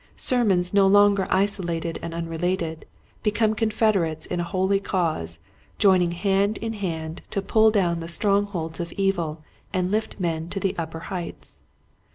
Sermons, no longer isolated and unrelated, become confederates in a holy cause, joining hand in hand to pull down the strongholds of evil and lift men to the upper heights.